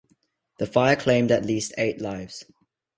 The fire claimed at least eight lives.